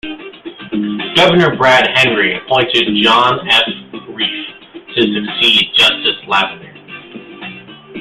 Governor Brad Henry appointed John F. Reif to succeed Justice Lavender.